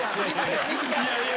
いやいや。